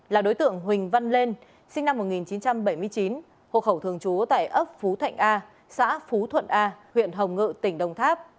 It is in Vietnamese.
là đối tượng huỳnh văn lên sinh năm một nghìn chín trăm bảy mươi chín hộ khẩu thường trú tại ấp phú thạnh a xã phú thuận a huyện hồng ngự tỉnh đồng tháp